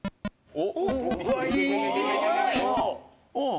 おっ！